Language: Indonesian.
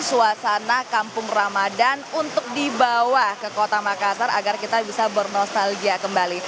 saudara kalau dari pantauan kami tadi pada pukul delapan belas lima belas